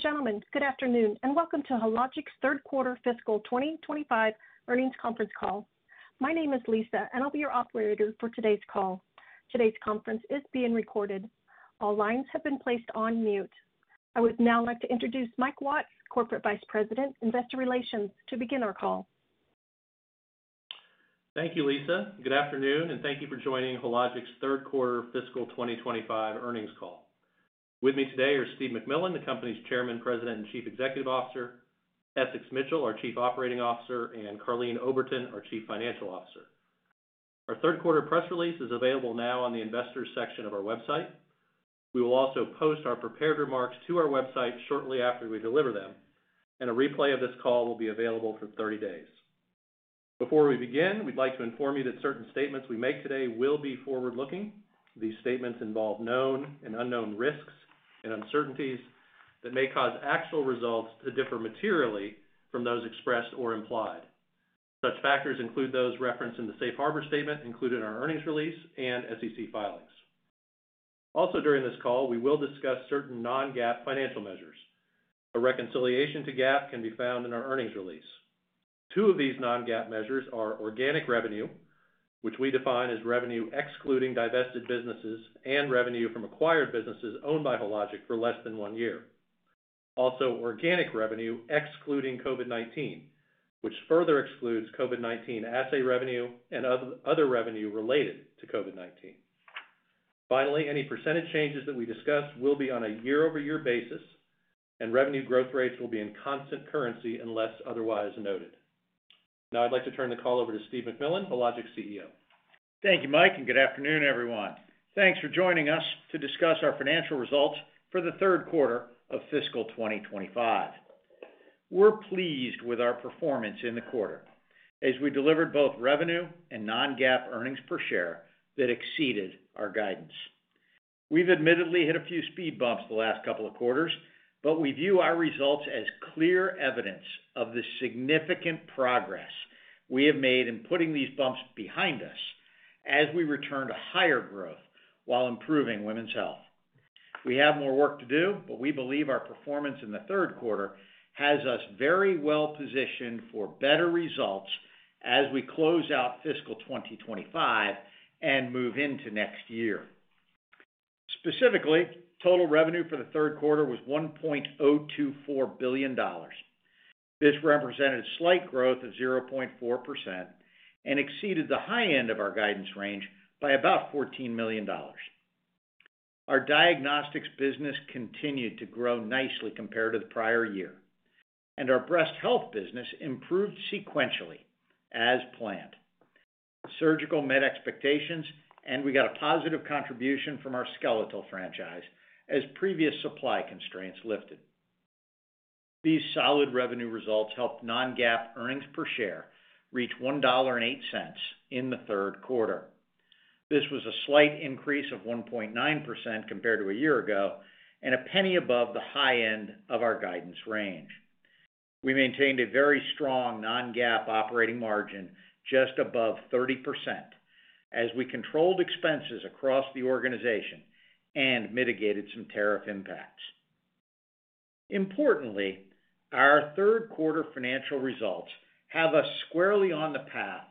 Ladies and gentlemen, good afternoon and welcome to Hologic's third quarter fiscal 2025 earnings conference call. My name is Lisa and I'll be your operator for today's call. Today's conference is being recorded. All lines have been placed on mute. I would now like to introduce Mike Watts, Corporate Vice President, Investor Relations, to begin our call. Thank you, Lisa. Good afternoon and thank you for joining Hologic's third quarter fiscal 2025 earnings call. With me today are Steve MacMillan, the company's Chairman, President and Chief Executive Officer, Essex Mitchell, our Chief Operating Officer, and Karleen Oberton, our Chief Financial Officer. Our third quarter press release is available now on the Investors section of our website. We will also post our prepared remarks to our website shortly after we deliver them, and a replay of this call will be available for 30 days. Before we begin, we'd like to inform you that certain statements we make today will be forward looking. These statements involve known and unknown risks and uncertainties that may cause actual results to differ materially from those expressed or implied. Such factors include those referenced in the Safe Harbor statement included in our earnings release and SEC filings. Also during this call we will discuss certain non-GAAP financial measures. A reconciliation to GAAP can be found in our earnings release. Two of these non-GAAP measures are organic revenue, which we define as revenue excluding divested businesses and revenue from acquired businesses owned by Hologic for less than one year. Also, organic revenue excluding COVID-19, which further excludes COVID-19 assay revenue and other revenue related to COVID-19. Finally, any percentage changes that we discuss will be on a year-over-year basis and revenue growth rates will be in constant currency unless otherwise noted. Now I'd like to turn the call over to Steve MacMillan, Hologic CEO. Thank you, Mike, and good afternoon everyone. Thanks for joining us to discuss our financial results for the third quarter of fiscal 2025. We're pleased with our performance in the quarter as we delivered both revenue and non-GAAP earnings per share that exceeded our guidance. We've admittedly hit a few speed bumps the last couple of quarters, but we view our results as clear evidence of the significant progress we have made in putting these bumps behind us as we return to higher growth while improving women's health. We have more work to do, but we believe our performance in the third quarter has us very well positioned for better results as we close out fiscal 2025 and move into next year. Specifically, total revenue for the third quarter was $1.024 billion. This represented slight growth of 0.4% and exceeded the high end of our guidance range by about $14 million. Our diagnostics business continued to grow nicely compared to the prior year and our breast health business improved sequentially as planned. Surgical met expectations and we got a positive contribution from our skeletal franchise as previous supply constraints lifted. These solid revenue results helped non-GAAP earnings per share reach $1.08 in the third quarter. This was a slight increase of 1.9% compared to a year ago and a penny above the high end of our guidance range. We maintained a very strong non-GAAP operating margin just above 30% as we controlled expenses across the organization and mitigated some tariff impacts. Importantly, our third quarter financial results have us squarely on the path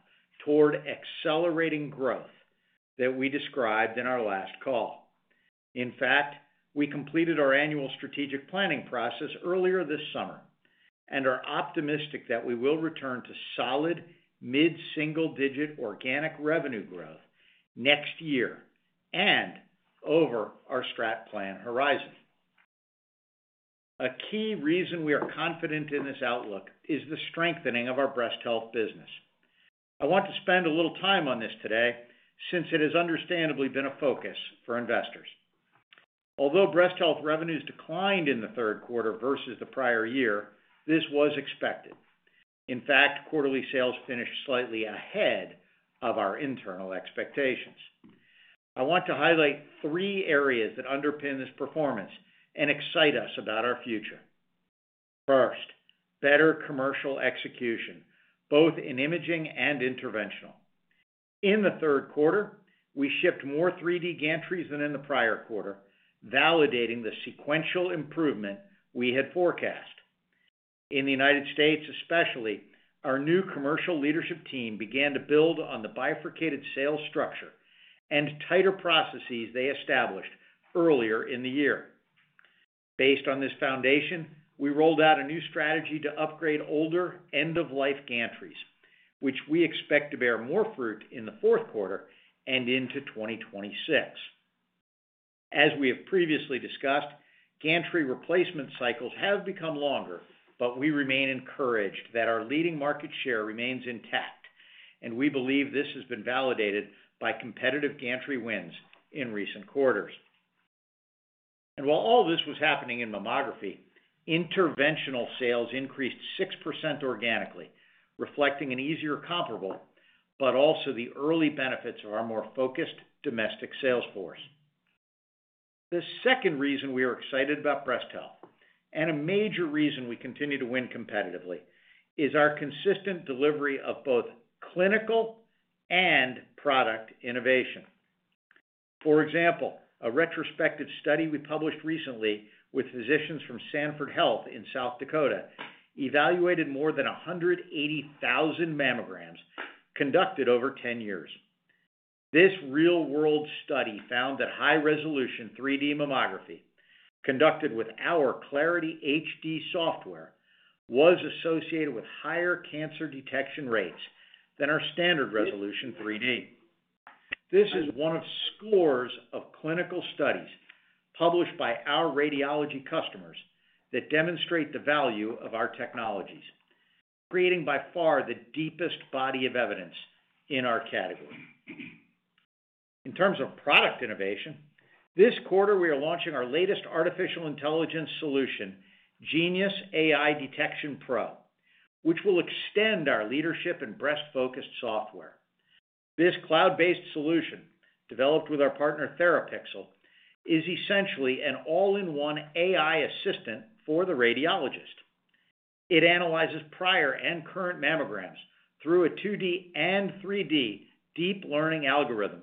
toward accelerating growth that we described in our last call. In fact, we completed our annual strategic planning process earlier this summer and are optimistic that we will return to solid mid single digit organic revenue growth next year and over our strat plan horizon. A key reason we are confident in this outlook is the strengthening of our breast health business. I want to spend a little time on this today since it has understandably been a focus for investors. Although breast health revenues declined in the third quarter versus the prior year, this was expected. In fact, quarterly sales finished slightly ahead of our internal expectations. I want to highlight three areas that underpin this performance and excite us about our future. First, better commercial execution, both in imaging and interventional. In the third quarter we shipped more 3D gantries than in the prior quarter, validating the sequential improvement we had forecast in the United States especially. Our new commercial leadership team began to build on the bifurcated sales structure and tighter processes they established earlier in the year. Based on this foundation, we rolled out a new strategy to upgrade older end-of-life gantries which we expect to bear more fruit in the fourth quarter and into 2026. As we have previously discussed, gantry replacement cycles have become longer, but we remain encouraged that our leading market share remains intact and we believe this has been validated by competitive gantry wins in recent quarters. While all this was happening in mammography, interventional sales increased 6% organically, reflecting an easier comparable but also the early benefits of our more focused domestic sales force. The second reason we are excited about breast health and a major reason we continue to win competitively, is our consistent delivery of both clinical and product innovation. For example, a retrospective study we published recently with physicians from Sanford Health in South Dakota evaluated more than 180,000 mammograms conducted over 10 years. This real-world study found that high resolution 3D mammography conducted with our Clarity HD software was associated with higher cancer detection rates than our standard resolution 3D. This is one of scores of clinical studies published by our radiology customers that demonstrate the value of our technologies, creating by far the deepest body of evidence in our category in terms of product innovation. This quarter we are launching our latest artificial intelligence solution, Genius AI Detection PRO, which will extend our leadership in breast-focused software. This cloud-based solution, developed with our partner Therapixel, is essentially an all in one AI assistant for the radiologist. It analyzes prior and current mammograms through a 2D and 3D deep learning algorithm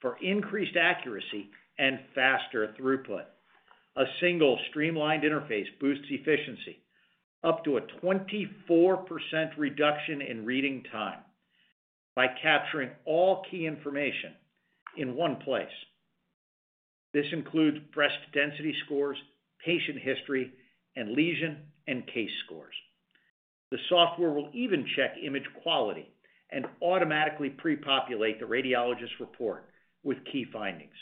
for increased accuracy and faster throughput. A single streamlined interface boosts efficiency up to a 24% reduction in reading time by capturing all key information in one place. This includes breast density scores, patient history and lesion and case scores. The software will even check image quality and automatically pre populate the radiologist report with key findings.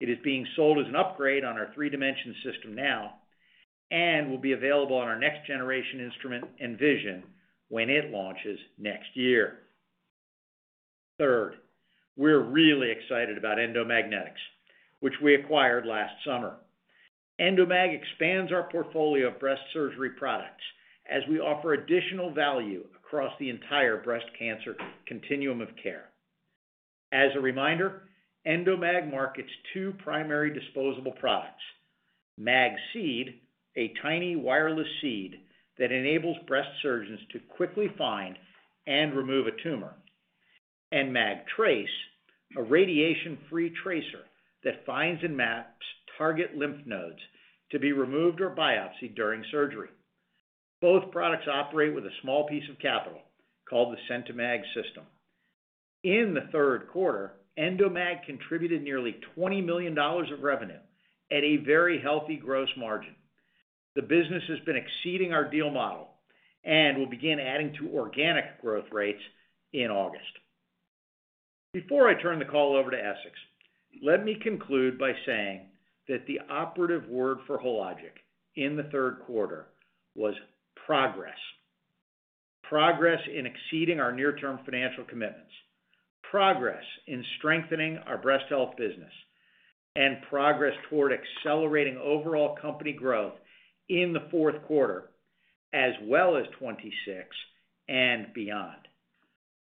It is being sold as an upgrade on our three-dimension system now and will be available on our next generation instrument Envision when it launches next year. Third, we're really excited about Endomagnetics, which we acquired last summer. Endomag expands our portfolio of breast surgery products as we offer additional value across the entire breast cancer continuum of care. As a reminder, Endomag markets two primary disposable products, Magseed, a tiny wireless seed that enables breast surgeons to quickly find and remove a tumor, and Magtrace, a radiation free tracer that finds and maps target lymph nodes to be removed or biopsied during surgery. Both products operate with a small piece of capital called the Centimag System. In the third quarter, Endomag contributed nearly $20 million of revenue at a very healthy gross margin. The business has been exceeding our deal model and will begin adding to organic growth rates in August. Before I turn the call over to Essex, let me conclude by saying that the operative word for Hologic in the third quarter was progress. Progress in exceeding our near term financial commitments, progress in strengthening our breast health business, and progress toward accelerating overall company growth in the fourth quarter as well as 2026 and beyond.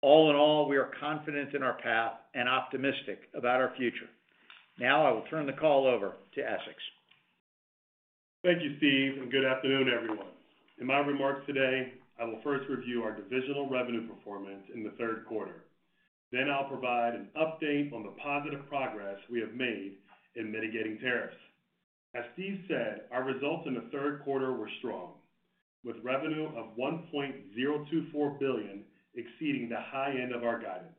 All in all, we are confident in our path and optimistic about our future. Now I will turn the call over to Essex. Thank you, Steve, and good afternoon, everyone. In my remarks today, I will first review our divisional revenue performance in the third quarter. Then I'll provide an update on the positive progress we have made in mitigating tariffs. As Steve said, our results in the third quarter were strong with revenue of $1.024 billion exceeding the high end of our guidance.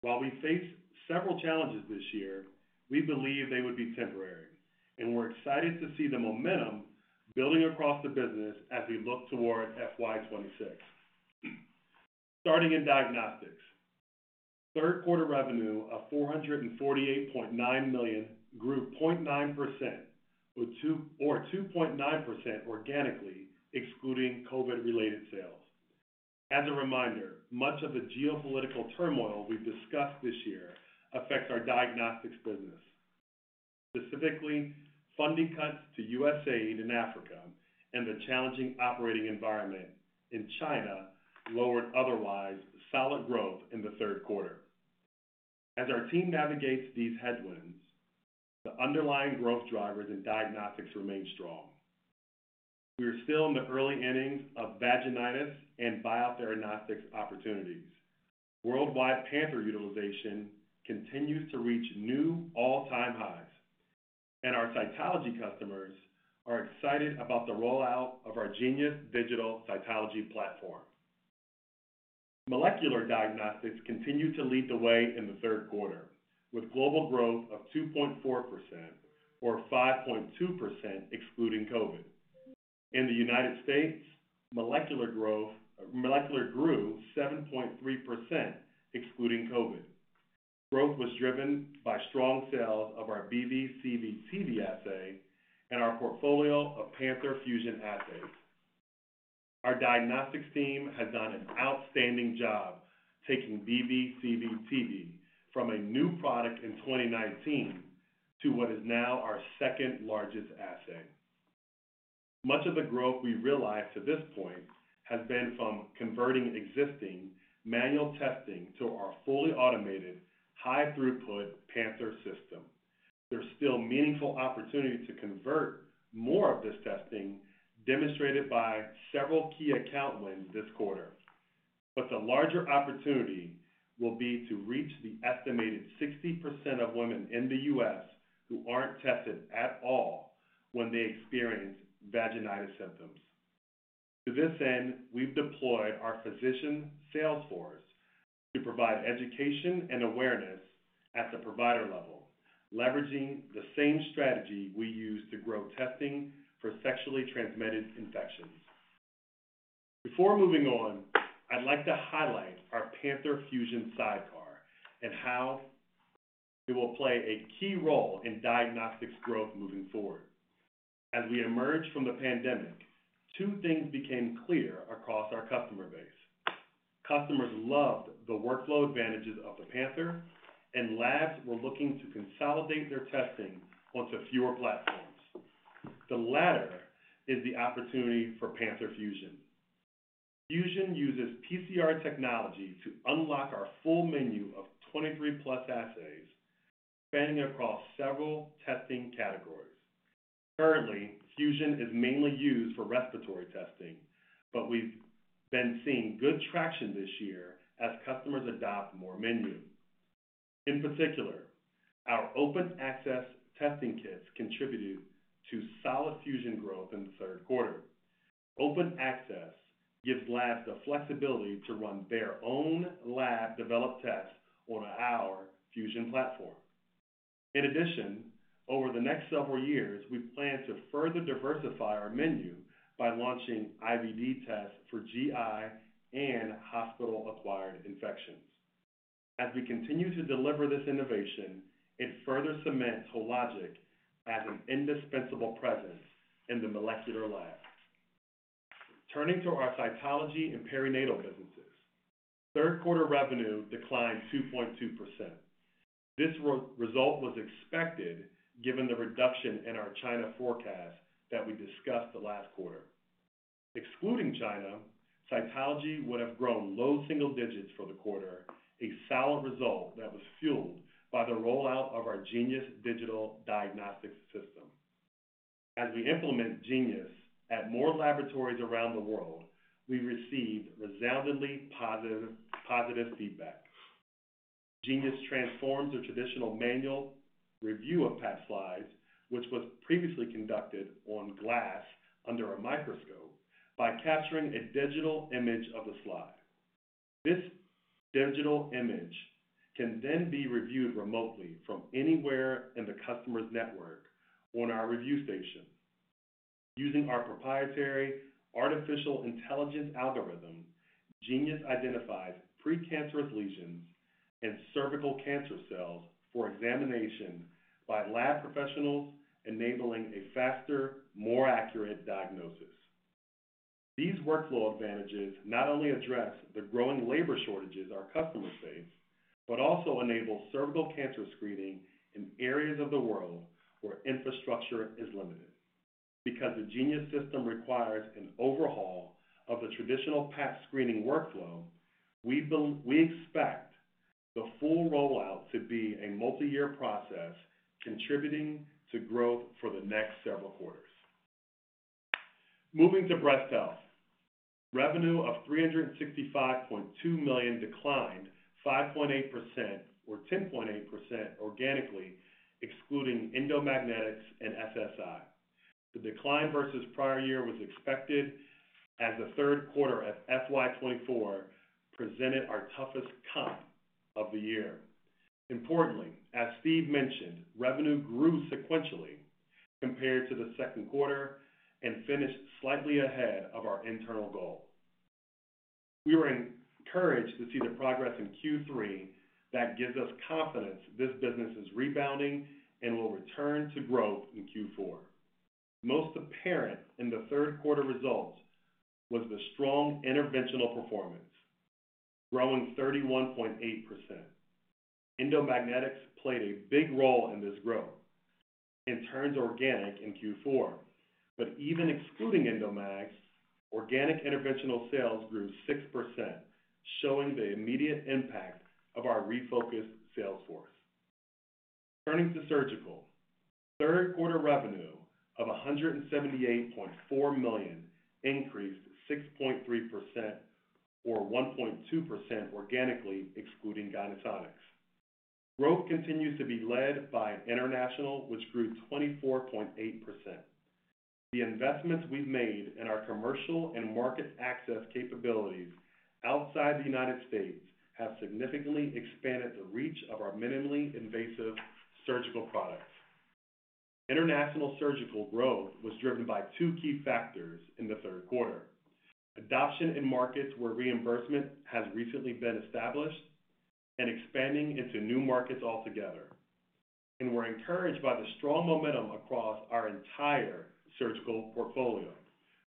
While we face several challenges this year, we believe they will be temporary and we're excited to see the momentum building across the business as we look toward FY 2026. Starting in diagnostics, third quarter revenue of $448.9 million grew 0.9% or 2.9% organically excluding COVID-related sales. As a reminder, much of the geopolitical turmoil we've discussed this year affects our diagnostics business specifically. Funding cuts to USAID in Africa and the challenging operating environment in China lowered otherwise solid growth in the third quarter. As our team navigates these headwinds, the underlying growth drivers in diagnostics remain strong. We are still in the early innings of vaginitis and biotheranostics opportunities. Worldwide Panther utilization continues to reach new all-time highs and our cytology customers are excited about the rollout of our Genius Digital Cytology platform. Molecular diagnostics continued to lead the way in the third quarter with global growth of 2.4% or 5.2% excluding COVID. In the United States, molecular grew 7.3% excluding COVID. Growth was driven by strong sales of our BV, CV/TV assay and our portfolio of Panther Fusion assays. Our diagnostics team has done an outstanding job taking BV, CV/TV from a new product in 2019 to what is now our second largest assay. Much of the growth we realized to this point has been from converting existing manual testing to our fully automated, high throughput Panther system. There is still meaningful opportunity to convert more of this testing, demonstrated by several key account wins this quarter, but the larger opportunity will be to reach the estimated 60% of women in the U.S. who are not tested at all when they experience vaginitis symptoms. To this end, we've deployed our physician sales force to provide education and awareness at the provider level, leveraging the same strategy we used to grow testing for sexually transmitted infections. Before moving on, I'd like to highlight our Panther Fusion sidecar and how it will play a key role in diagnostics growth moving forward. As we emerged from the pandemic, two things became clear across our customer base. Customers loved the workflow advantages of the Panther and labs were looking to consolidate their testing onto fewer platforms. The latter is the opportunity for Panther Fusion. Fusion uses PCR technology to unlock our full menu of 23+ assays spanning across several testing categories. Currently, Fusion is mainly used for respiratory testing, but we've been seeing good traction this year as customers adopt more menu. In particular, our Open Access testing kits contributed to solid Fusion growth in the third quarter. Open Access gives labs the flexibility to run their own lab developed tests on our Fusion platform. In addition, over the next several years we plan to further diversify our menu by launching IVD tests for GI and hospital acquired infections. As we continue to deliver this innovation, it further cements Hologic as an indispensable presence in the molecular lab. Turning to our cytology and perinatal businesses, third quarter revenue declined 2.2%. This result was expected given the reduction in our China forecast that we discussed last quarter. Excluding China, cytology would have grown low single digits for the quarter, a solid result that was fueled by the rollout of our Genius Digital Diagnostics system. As we implement Genius at more laboratories around the world, we received resoundingly positive feedback. Genius transforms the traditional manual review of Pap slides, which was previously conducted on glass under a microscope, by capturing a digital image of the slide. This digital image can then be reviewed remotely from anywhere in the customer's network on our review station. Using our proprietary artificial intelligence algorithm, Genius identifies precancerous lesions and cervical cancer cells for examination by lab professionals, enabling a faster, more accurate diagnosis. These workflow advantages not only address the growing labor shortages our customers face, but also enable cervical cancer screening in areas of the world where infrastructure is limited. Because the Genius system requires an overhaul of the traditional Pap screening workflow, we expect the full rollout to be a multi-year process contributing to growth for the next several quarters. Moving to breast health, revenue of $365.2 million declined 5.8% or 10.8% organically excluding Endomagnetics and SSI. The decline versus prior year was expected as the third quarter at FY 2024 presented our toughest comp of the year. Importantly, as Steve mentioned, revenue grew sequentially compared to the second quarter and finished slightly ahead of our internal goal. We were encouraged to see the progress in Q3 that gives us confidence this business is rebounding and will return to growth in Q4. Most apparent in the third quarter results was the strong interventional performance, growing 31.8%. Endomagnetics played a big role in this growth and turns organic in Q4, but even excluding Endomag, organic interventional sales grew 6%, showing the immediate impact of our refocused sales force. Turning to surgical, third quarter revenue of $178.4 million increased 6.3% or 1.2% organically excluding Gynesonics. Growth continues to be led by international, which grew 24.8%. The investments we've made in our commercial and market access capabilities outside the United States have significantly expanded the reach of our minimally invasive surgical products. International surgical growth was driven by two key factors in the third quarter. Adoption in markets where reimbursement has recently been established and expanding into new markets altogether. We are encouraged by the strong momentum across our entire surgical portfolio.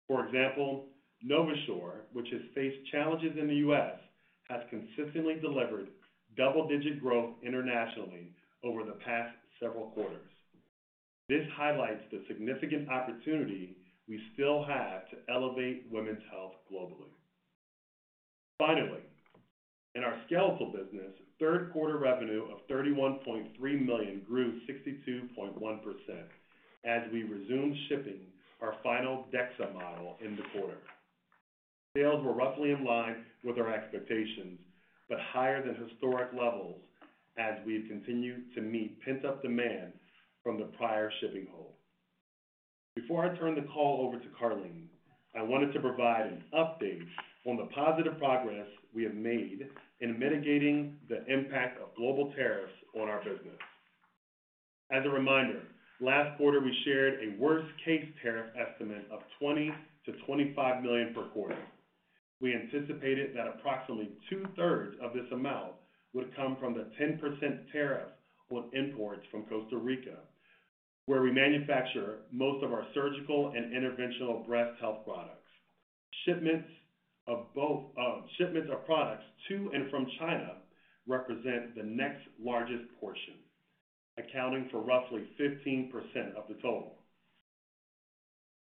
For example, NovaSure, which has faced challenges in the U.S., has consistently delivered double-digit growth internationally over the past several quarters. This highlights the significant opportunity we still have to elevate women's health globally. Finally, in our skeletal business, third quarter revenue of $31.3 million grew 62.1% as we resumed shipping our final DEXA model. In the quarter, sales were roughly in line with our expectations, but higher than historic levels as we continue to meet pent-up demand from the prior shipping hold. Before I turn the call over to Karleen, I wanted to provide an update on the positive progress we have made in mitigating the impact of global tariffs on our business. As a reminder, last quarter we shared a worst-case tariff estimate of $20 million-$25 million per quarter. We anticipated that approximately 2/3 of this amount would come from the 10% tariff on imports from Costa Rica, where we manufacture most of our surgical and interventional breast health products. Shipments of products to and from China represent the next largest portion, accounting for roughly 15% of the total.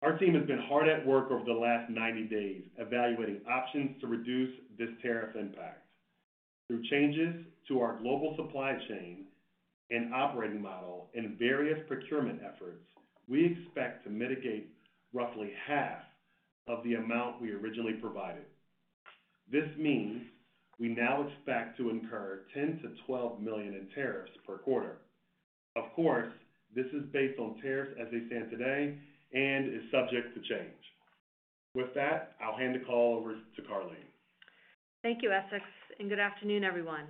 Our team has been hard at work over the last 90 days evaluating options to reduce this tariff impact. Through changes to our global supply chain and operating model and various procurement efforts, we expect to mitigate roughly half of the amount we originally provided. This means we now expect to incur $10 million-$12 million in tariffs per quarter. Of course, this is based on tariffs as they stand today and is subject to change. With that, I'll hand the call over to Karleen. Thank you Essex and good afternoon everyone.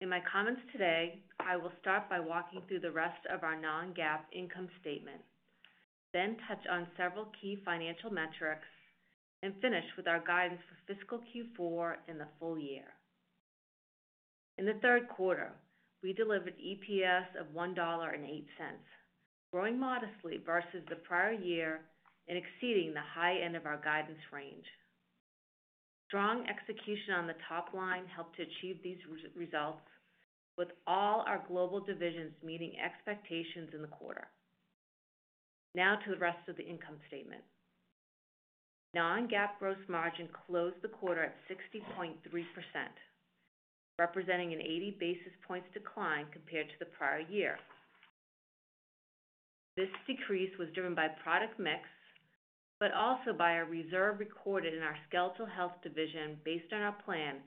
In my comments today, I will start by walking through the rest of our non-GAAP income statement, then touch on several key financial metrics and finish with our guidance for fiscal Q4 and the full year. In the third quarter we delivered EPS of $1.08, growing modestly versus the prior year and exceeding the high end of our guidance range. Strong execution on the top line helped to achieve these results with all our global divisions meeting expectations in the quarter. Now to the rest of the income statement. Non-GAAP gross margin closed the quarter at 60.3%, representing an 80 basis points decline compared to the prior year. This decrease was driven by product mix but also by a reserve recorded in our Skeletal Health division based on our planned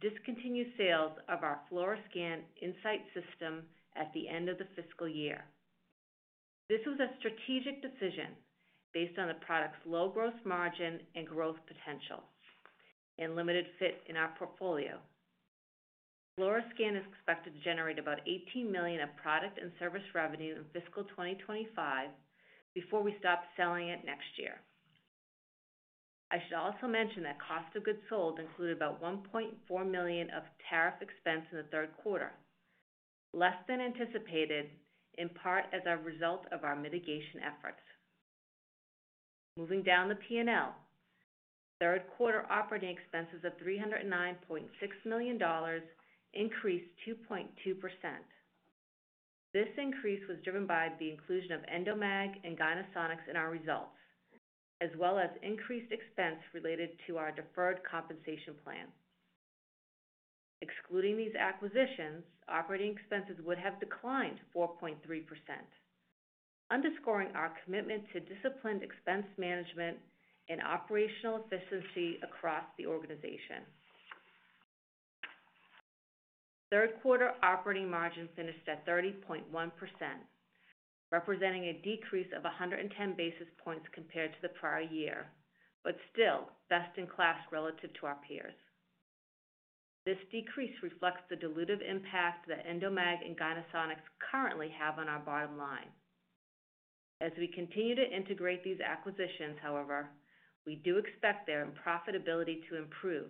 discontinued sales of our Fluoroscan Insight system at the end of the fiscal year. This was a strategic decision based on the product's low gross margin and growth potential and limited fit in our portfolio. Fluoroscan is expected to generate about $18 million of product and service revenue in fiscal 2025 before we stop selling it next year. I should also mention that cost of goods sold included about $1.4 million of tariff expense in the third quarter, less than anticipated in part as a result of our mitigation efforts. Moving down the P&L, third quarter operating expenses of $309.6 million increased 2.2%. This increase was driven by the inclusion of Endomag and Gynesonics in our results as well as increased expense related to our deferred compensation plan. Excluding these acquisitions, operating expenses would have declined 4.3%, underscoring our commitment to disciplined expense management and operational efficiency across the organization. Third quarter operating margin finished at 30.1%, representing a decrease of 110 basis points compared to the prior year, but still best in class relative to our peers. This decrease reflects the dilutive impact that Endomag and Gynesonics currently have on our bottom line as we continue to integrate these acquisitions. However, we do expect their profitability to improve,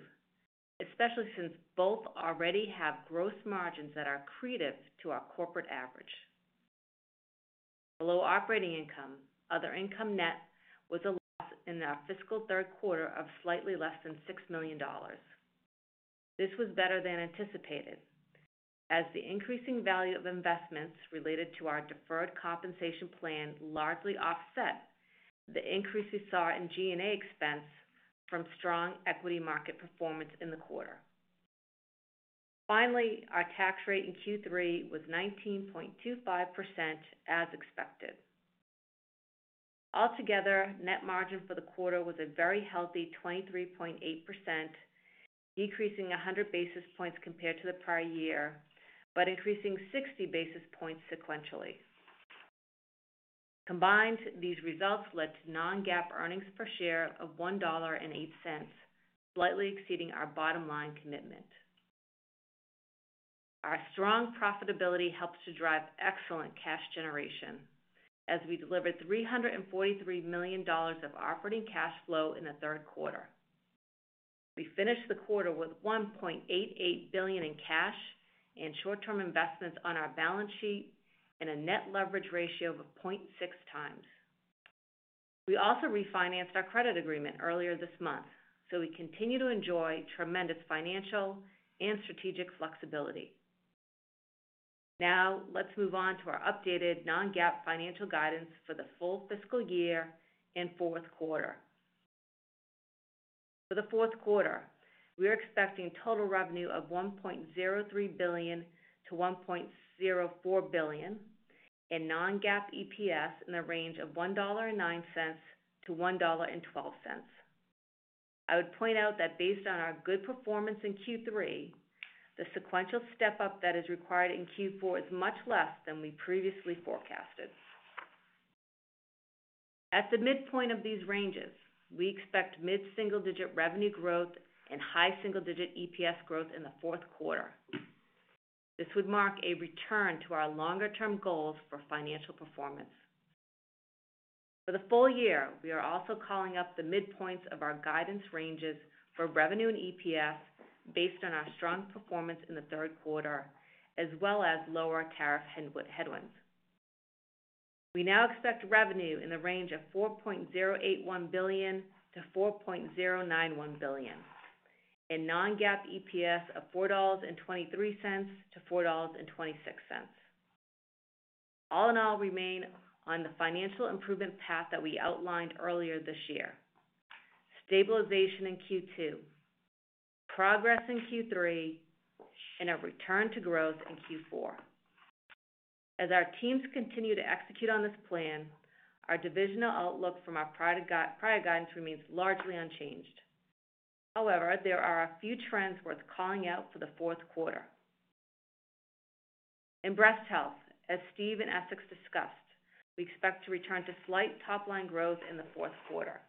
especially since both already have gross margins that are accretive to our corporate average. Below operating income, other income net was a loss in our fiscal third quarter of slightly less than $6 million. This was better than anticipated as the increasing value of investments related to our deferred compensation plan largely offset the increase we saw in G&A expense from strong equity market performance in the quarter. Finally, our tax rate in Q3 was 19.25% as expected. Altogether, net margin for the quarter was a very healthy 23.8%, decreasing 100 basis points compared to the prior year, but increasing 60 basis points sequentially. Combined, these results led to non-GAAP earnings per share of $1.08, slightly exceeding our bottom line commitment. Our strong profitability helps to drive excellent cash generation as we delivered $343 million of operating cash flow in the third quarter. We finished the quarter with $1.88 billion in cash and short term investments on our balance sheet and a net leverage ratio of 0.6x. We also refinanced our credit agreement earlier this month, so we continue to enjoy tremendous financial and strategic flexibility. Now let's move on to our updated non-GAAP financial guidance for the full fiscal year and fourth quarter. For the fourth quarter we are expecting total revenue of $1.03 billion-$1.04 billion and non-GAAP EPS in the range of $1.09-$1.12. I would point out that based on our good performance in Q3, the sequential step up that is required in Q4 is much less than we previously forecasted. At the midpoint of these ranges, we expect mid single digit revenue growth and high single digit EPS growth in the fourth quarter. This would mark a return to our longer term goals for financial performance for the full year. We are also calling up the midpoints of our guidance ranges for revenue and EPS based on our strong performance in the third quarter as well as lower tariff headwinds. We now expect revenue in the range of $4.081 billion-$4.091 billion and non-GAAP EPS of $4.23-$4.26. All in all, we remain on the financial improvement path that we outlined earlier this year. Stabilization in Q2, progress in Q3 and a return to growth in Q4 as our teams continue to execute on this plan. Our divisional outlook from our prior guidance remains largely unchanged. However, there are a few trends worth calling out for the fourth quarter. In breast health, as Steve and Essex discussed, we expect to return to slight top line growth in the fourth quarter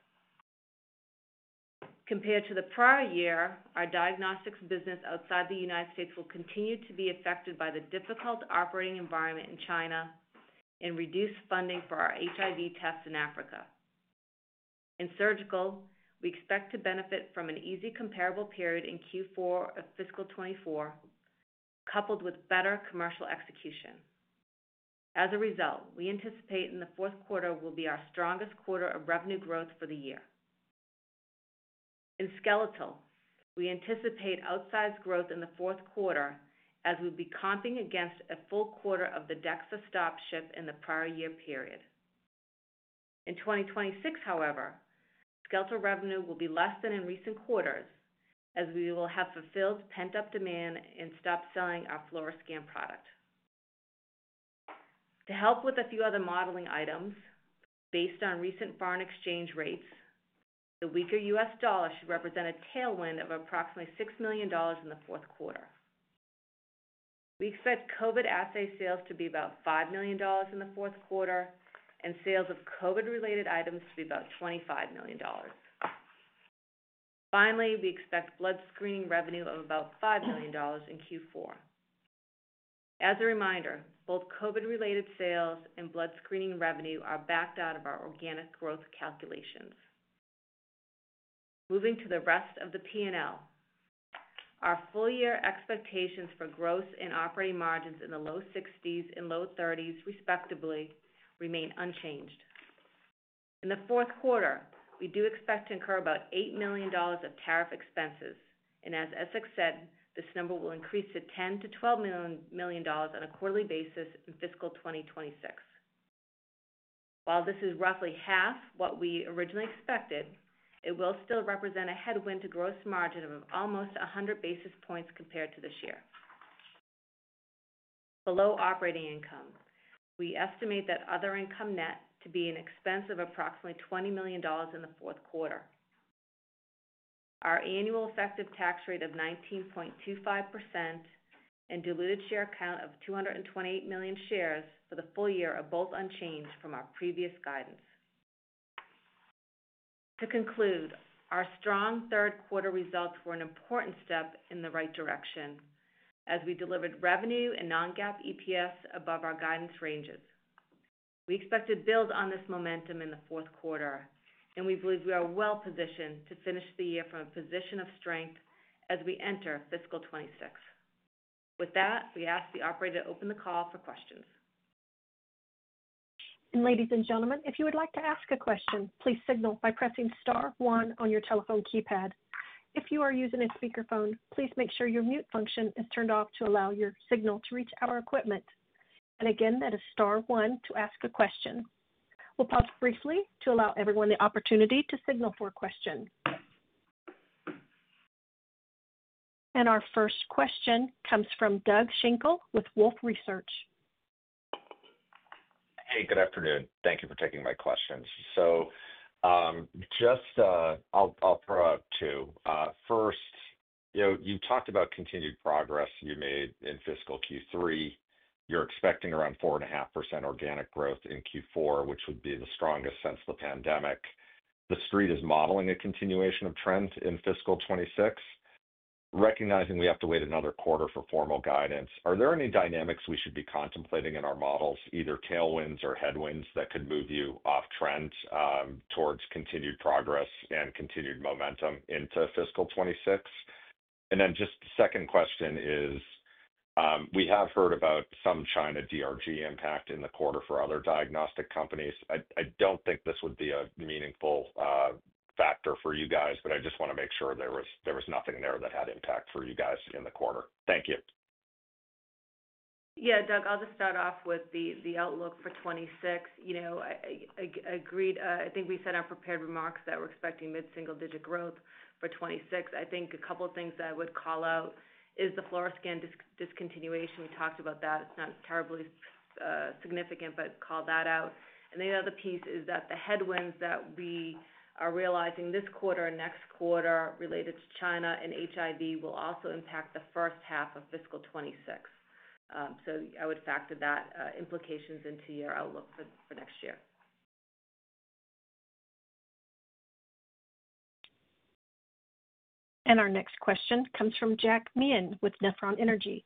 compared to the prior year. Our diagnostics business outside the United States will continue to be affected by the difficult operating environment in China and reduced funding for our HIV tests in Africa. In surgical, we expect to benefit from an easy comparable period in Q4 of fiscal 2024 coupled with better commercial execution. As a result, we anticipate in the fourth quarter will be our strongest quarter of revenue growth for the year. In skeletal, we anticipate outsized growth in the fourth quarter as we will be comping against a full quarter of the DEXA stop-ship in the prior year period. In 2026, however, skeletal revenue will be less than in recent quarters as we will have fulfilled pent-up demand and stopped selling our Fluoroscan product to help with a few other modeling items. Based on recent foreign exchange rates, the weaker U.S. dollar should represent a tailwind of approximately $6 million in the fourth quarter. We expect COVID assay sales to be about $5 million in the fourth quarter and sales of COVID-related items to be about $25 million. Finally, we expect blood screening revenue of about $5 million in Q4. As a reminder, both COVID-related sales and blood screening revenue are backed out of our organic growth calculations. Moving to the rest of the P&L, our full-year expectations for gross and operating margins in the low 60% and low 30% respectively, remain unchanged. In the fourth quarter, we do expect to incur about $8 million of tariff expenses and as Essex said, this number will increase to $10 million-$12 million on a quarterly basis in fiscal 2026. While this is roughly 1/2 what we originally expected, it will still represent a headwind to gross margin of almost 100 basis points compared to this year. Below operating income, we estimate that other income net to be an expense of approximately $20 million in the fourth quarter. Our annual effective tax rate of 19.25% and diluted share count of 228 million shares for the full year are both unchanged from our previous guidance. To conclude, our strong third quarter results were an important step in the right direction as we delivered revenue and non-GAAP EPS above our guidance ranges. We expect to build on this momentum in the fourth quarter and we believe we are well-positioned to finish the year from a position of strength as we enter fiscal 2026. With that, we ask the operator to open the call for questions. Ladies and gentlemen, if you would like to ask a question, please signal by pressing star one on your telephone keypad. If you are using a speakerphone, please make sure your mute function is turned off to allow your signal to reach our equipment. Again, that is star one to ask a question. We'll pause briefly to allow everyone the opportunity to signal for a question. Our first question comes from Doug Schenkel with Wolfe Research. Hey, good afternoon. Thank you for taking my questions. I'll throw out two first. You know, you talked about continued progress you made in fiscal Q3. You're expecting around 4.5% organic growth in Q4, which would be the strongest since the pandemic. The street is modeling a continuation of trend in fiscal 2026, recognizing we have to wait another quarter for formal guidance. Are there any dynamics we should be contemplating in our models, either tailwinds or headwinds that could move you off trend towards continued progress and continued momentum into fiscal 2026? The second question is we have heard about some China DRG impact in the quarter for other diagnostic companies. I don't think this would be a meaningful factor for you guys, but I just want to make sure there was nothing there that had impact for you guys in the quarter. Thank you. Yeah, Doug, I'll just start off with the outlook for 2026. You know, I think we said in our prepared remarks that we're expecting mid single digit growth for 2026. I think a couple things that I would call out is the Fluoroscan discontinuation. We talked about that. It's not terribly significant, but call that out. The other piece is that the headwinds that we are realizing this quarter and next quarter related to China and HIV will also impact the first half of fiscal 2026. I would factor that implications into your outlook for next year. Our next question comes from Jack Meehan with Nephron Energy.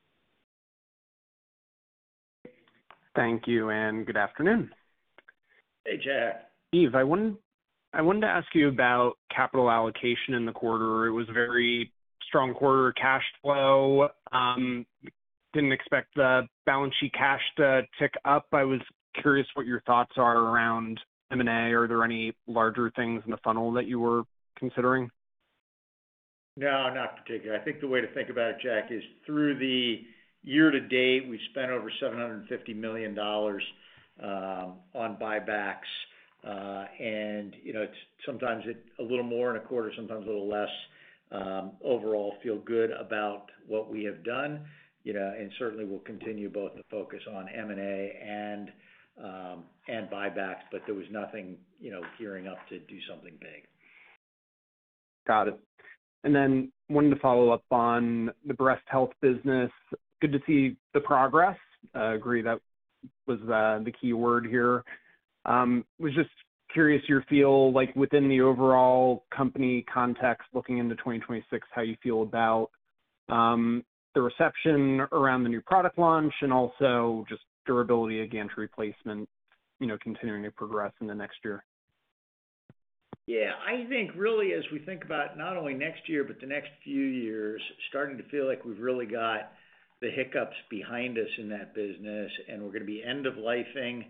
Thank you and good afternoon. Hey Jack. Steve, I wanted to ask you about capital allocation in the quarter. It was a very strong quarter cash flow. Did not expect the balance sheet cash to tick up. I was curious what your thoughts are around M&A. Are there any larger things in the funnel that you were considering? No, not particularly. I think the way to think about it Jack, is through the year-to-date we spent over $750 million on buybacks and you know, sometimes it a little more than a quarter, sometimes a little less. Overall feel good about what we have done, you know and certainly we'll continue both the focus on M&A and buybacks. There was nothing, you know, gearing up to do something big. Got it and then wanted to follow up on the breast health business. Good to see the progress. Agree that was the key word here. Was just curious your feel like within the overall company context looking into 2026, how you feel about the reception around the new product launch and also just durability of gantry replacement continuing to progress in the next year. Yeah, I think really as we think about not only next year but the next few years, starting to feel like we've really got the hiccups behind us in that business and we're going to be end of lifing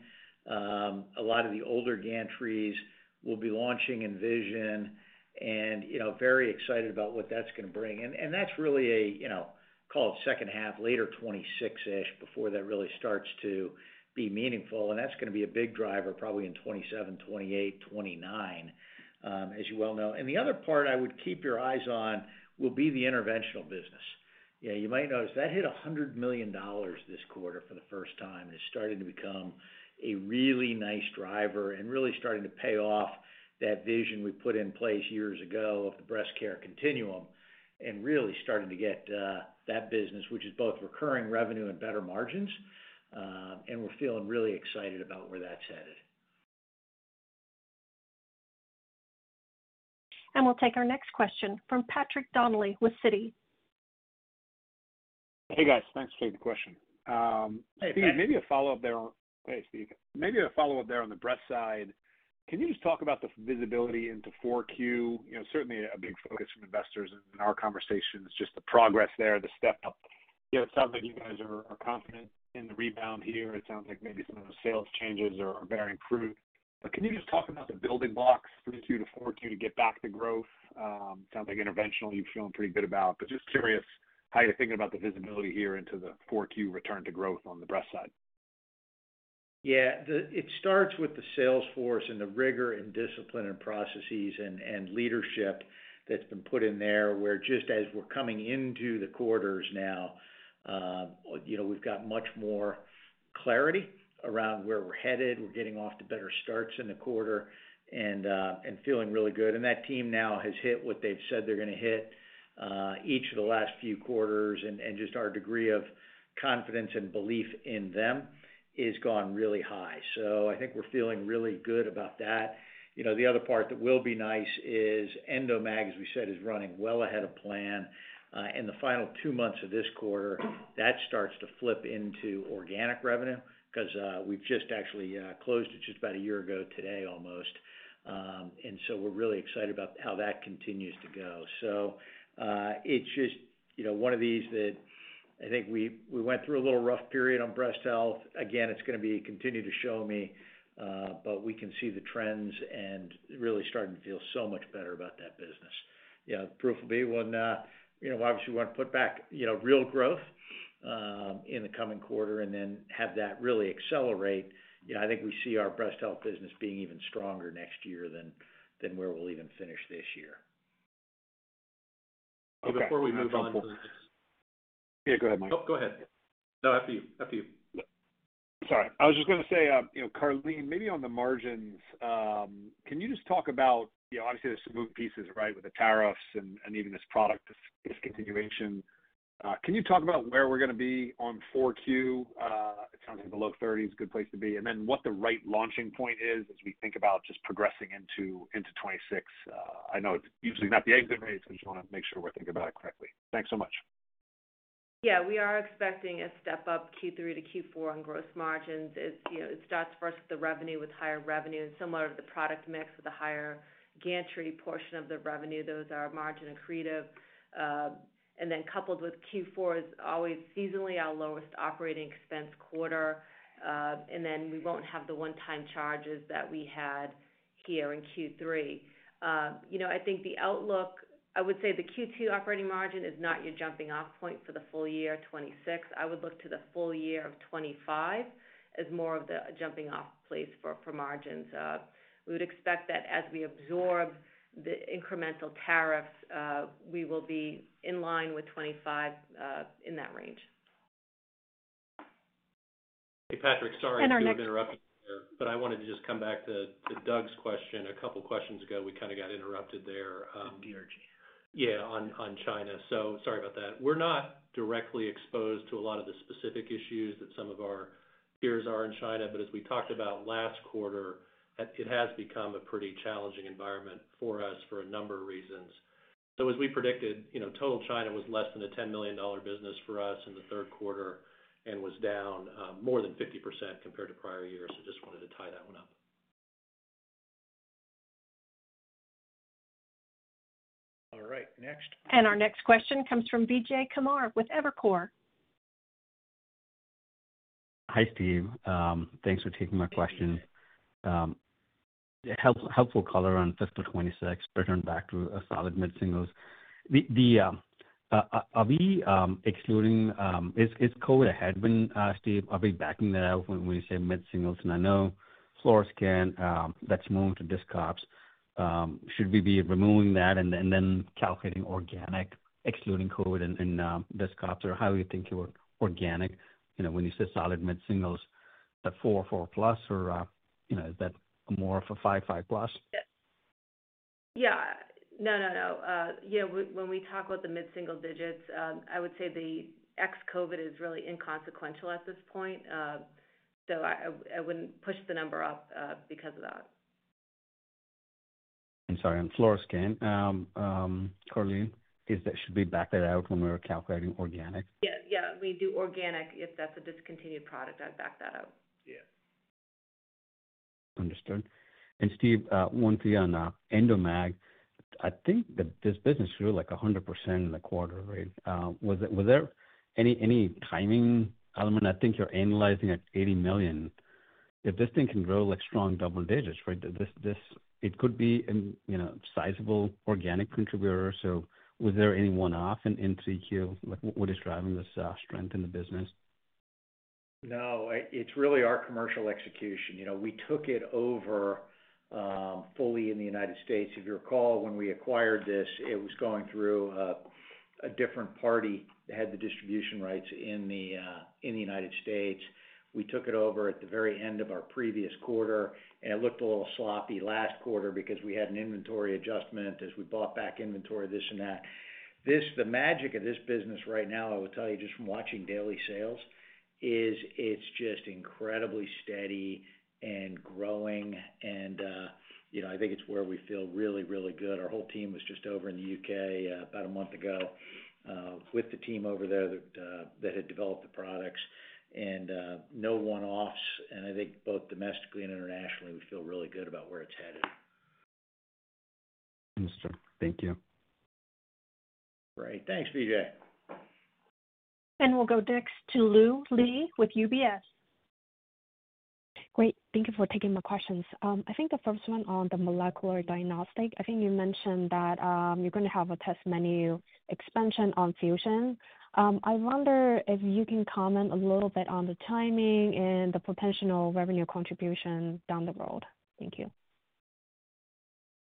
a lot of the older gantries. We'll be launching Envision and, you know, very excited about what that's going to bring and that's really a, you know, call it second half, later, 2026-ish before that really starts to be meaningful. That's going to be a big driver probably in 2027, 2028, 2029 as you well know. The other part I would keep your eyes on will be the interventional business. You might notice that hit $100 million this quarter for the first time. It's starting to become a really nice driver and really starting to pay off that vision we put in place years ago of the breast care continuum and really starting to get that business, which is both recurring revenue and better margins. We're feeling really excited about where that's headed. We'll take our next question from Patrick Donnelly with Citi. Hey, guys, thanks for taking the question. Maybe a follow up there. Maybe a follow up there on the breast side. Can you just talk about the visibility into 4Q? You know, certainly a big focus from investors in our conversations. Just the progress there, the step up. Yeah, it sounds like you guys are confident in the rebound here. It sounds like maybe some of those sales changes are bearing fruit. Can you just talk about the building blocks, 3Q to 4Q to get back the growth. Sounds like interventional. You're feeling pretty good about. Just curious how you're thinking about the visibility here into the 4Q return to growth on the breast side. Yeah, it starts with the sales force and the rigor and discipline and processes and leadership that that's been put in there where just as we're coming into the quarters now, we've got much more clarity around where we're headed. We're getting off to better starts in the quarter and feeling really good. And that team now has hit what they've said they're going to hit each of the last few quarters and just our degree of confidence and belief in them has gone really high. So I think we're feeling really good about that. You know, the other part that will be nice is Endomag, as we said, is running well ahead of plan in the final two months of this quarter. That starts to flip into organic revenue because we've just actually closed it just about a year ago today almost. And so we're really excited about how that continues to go. So it's just, you know, one of these that I think we, we went through a little rough period on breast health again. It's going to be continue to show me, but we can see the trends and really starting to feel so much better about that business. Yeah. Proof will be when obviously we want to put back real growth in the coming quarter and then have that really accelerate. I think we see our breast health business being even stronger next year than where we'll even finish this year. Before we move on. Yeah, go ahead, Mike. Go ahead. No, after you. After you. Sorry, I was just going to say, you know, Karleen, maybe on the margins. Can you just talk about, you know, obviously there's some moving pieces. Right. With the tariffs and even this product discontinuation. Can you talk about where we're going to be on 4Q? It sounds like the low 30%, good place to be. What the right launching point as we think about just progressing into 2026, I know it's usually not the exit rates. I just want to make sure we're thinking about it correctly. Thanks so much. Yeah. We are expecting a step up Q3 to Q4 on gross margins. It starts first with the revenue. With higher revenue and similar to the product mix with a higher gantry portion of the revenue. Those are margin accretive. Coupled with Q4 is always seasonally our lowest operating expense quarter. We will not have the one time charges that we had here in Q3. You know, I think the outlook, I would say the Q2 operating margin is not your jumping off point for the full-year 2026. I would look to the full year of 2025 as more of the jumping off place for margins. We would expect that as we absorb the incremental tariffs, we will be in line with 2025 in that range. Patrick, sorry for interrupting, but I wanted to just come back to Doug's question. A couple questions ago. We kind of got interrupted there. DRG. Yeah. On China. Sorry about that. We're not directly exposed to a lot of the specific issues that some of our peers are in China, but as we talked about last quarter, it has become a pretty challenging environment for us for a number of reasons. As we predicted, total China was less than a $10 million business for us in the third quarter. Was down more than 50% compared to prior years. I just wanted to tie that one up. All right, next. Our next question comes from Vijay Kumar with Evercore. Hi Steve, thanks for taking my question, helpful. Color on fiscal 2026 returned back to a solid mid singles. Are we excluding, is COVID ahead when, Steve, are we backing that out? When you say mid singles, and I know Fluoroscan, let's move to disc ops. Should we be removing that and then calculating organic excluding COVID and disc ops, or how you think you were organic? You know, when you say solid mid singles, the 4%, 4%+ plus or, you know. Is that more of a 5%, 5%+ plus? Yeah. No, no, no. You know, when we talk about the mid single digits, I would say the ex-COVID is really inconsequential at this point. I would not push the number up because of that. I'm sorry. On Fluoroscan, Karleen, is that, should we back that out when we are calculating organic? Yeah, yeah, we do organic. If that's a discontinued product, I'd back that out. Understood. Steve, one for you on Endomag. I think that this business grew like 100% in the quarter, right. Was there any timing element? I think you're analyzing at $80 million. If this thing can grow like strong double digits, right, it could be a sizable organic contributor. Was there any one-off in 3Q? What is driving this strength in the business? No, it's really our commercial execution. We took it over fully in the United States. If you recall, when we acquired this, it was going through a different party that had the distribution rights in the United States. We took it over at the very end of our previous quarter and it looked a little sloppy last quarter because we had an inventory adjustment as we bought back inventory, this and that. The magic of this business right now, I will tell you just from watching daily sales, is it's just incredibly steady and growing. And you know, I think it's where we feel really, really good. Our whole team was just over in the U.K. about a month ago with the team over there that had developed the products and no one-offs. I think both domestically and internationally, we feel really good about where it's headed. Thank you. Great. Thanks, Vijay. We'll go next to Lu Li with UBS. Thank you for taking my questions. I think the first one on the molecular diagnostic, I think you mentioned that you're going to have a test menu expansion on Fusion. I wonder if you can comment a little bit on the timing and the potential revenue contribution down the road. Thank you.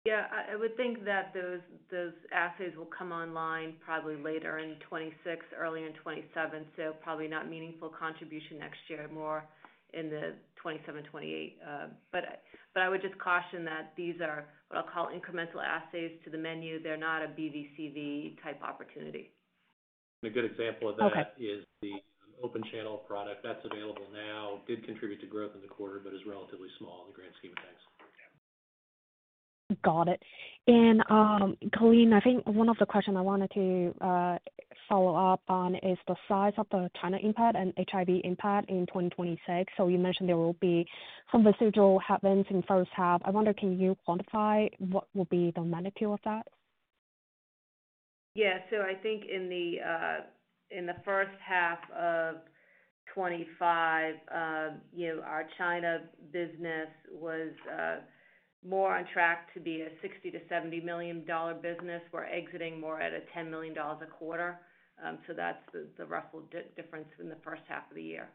Yeah, I would think that those assays will come online probably later in 2026, earlier in 2027, so probably not meaningful contribution next year, more in the 2027, 2028. But I would just caution that these are what I'll call incremental assays to the menu. They're not a BV CV-type opportunity. A good example of that is the open channel product that's available now did contribute to growth in the quarter, but is relatively small in the grand scheme of things. Got it. Karleen, I think one of the questions I wanted to follow up on is the size of the China impact and HIV impact in 2026. You mentioned there will be some residual happens in the first half. I wonder, can you quantify what will be the magnitude of that? Yeah, so I think in the first half of 2025, you know, our China business was more on track to be a $60 million-$70 million business. We're exiting more at a $10 million a quarter. So that's the rough difference in the first half of the year.